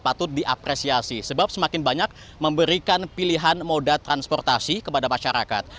dan apresiasi sebab semakin banyak memberikan pilihan moda transportasi kepada masyarakat